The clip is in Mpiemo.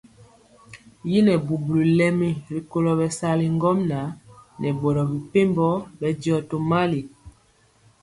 Yi nɛ bubuli lemi rikolo bɛsali ŋgomnaŋ nɛ boro mepempɔ bɛndiɔ tomali.